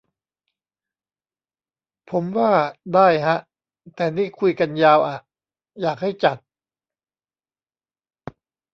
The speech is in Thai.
ผมว่า ได้ฮะ แต่ นี่คุยกันยาวอะ อยากให้จัด